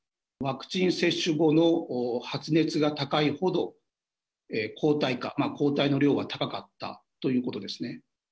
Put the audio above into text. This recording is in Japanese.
ワクチン接種後の発熱が高いほど、抗体価、抗体の量が高かったということですね。